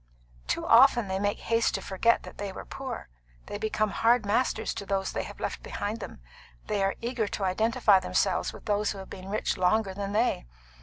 "Too often they make haste to forget that they were poor; they become hard masters to those they have left behind them. They are eager to identify themselves with those who have been rich longer than they.